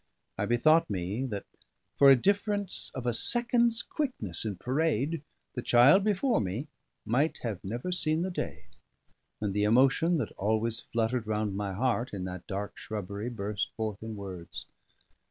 I bethought me that, for a difference of a second's quickness in parade, the child before me might have never seen the day; and the emotion that always fluttered round my heart in that dark shrubbery burst forth in words.